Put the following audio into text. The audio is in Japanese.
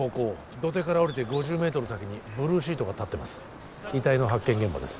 土手から下りて５０メートル先にブルーシートが立ってます遺体の発見現場です